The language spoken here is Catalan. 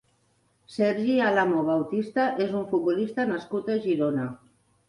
Sergi Álamo Bautista és un futbolista nascut a Girona.